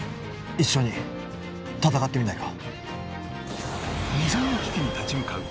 一緒に戦ってみないか？